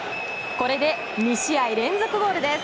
これで２試合連続ゴールです。